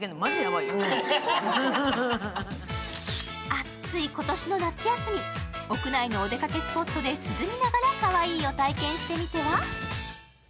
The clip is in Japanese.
暑い今年の夏休み、屋内のお出かけスポットでかわいいを体験してみては？